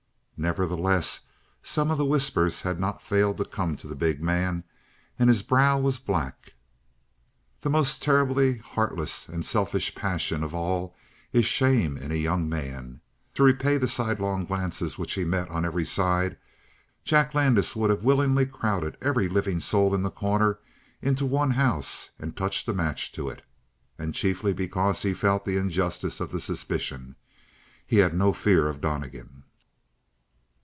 Nevertheless some of the whispers had not failed to come to the big man, and his brow was black. The most terribly heartless and selfish passion of all is shame in a young man. To repay the sidelong glances which he met on every side, Jack Landis would have willingly crowded every living soul in The Corner into one house and touched a match to it. And chiefly because he felt the injustice of the suspicion. He had no fear of Donnegan.